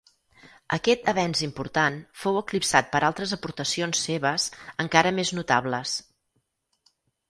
Aquest avenç important fou eclipsat per altres aportacions seves, encara més notables.